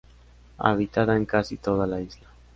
Habitaba en casi toda la isla.